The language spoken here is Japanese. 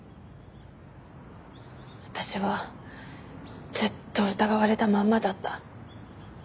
私はずっと疑われたまんまだった。